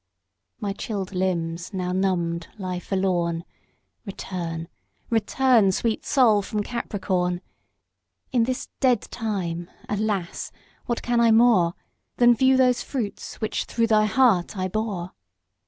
My chilled limbs now numbed lie forlorn; Return; return, sweet Sol, from Capricorn; In this dead time, alas, what can I more Than view those fruits which through thy heart I bore?